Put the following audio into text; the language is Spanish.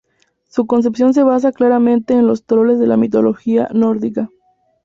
Su concepción se basa claramente en los troles de la mitología nórdica.